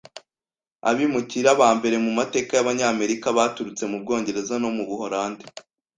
Abimukira ba mbere mu mateka y'Abanyamerika baturutse mu Bwongereza no mu Buholandi.